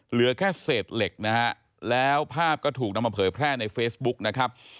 เหลือแค่เศษเหล็กนะฮะแล้วภาพก็ถูกนำมาเผยแพร่ในเฟซบุ๊กนะครับ